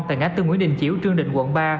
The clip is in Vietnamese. tại ngã tư nguyễn đình chiểu trương định quận ba